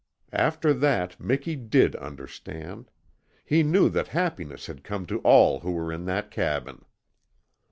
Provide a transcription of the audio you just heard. After that Miki DID understand. He knew that happiness had come to all who were in that cabin.